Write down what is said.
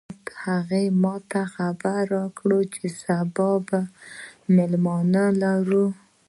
هغې ما ته خبر راکړ چې سبا به مېلمانه لرو